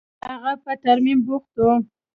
هغه په ترميم بوخت و.